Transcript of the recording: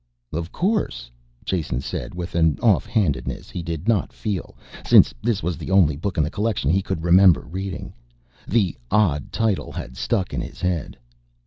"Of course," Jason said, with an offhandedness he did not feel, since this was the only book in the collection he could remember reading, the odd title had stuck in his head.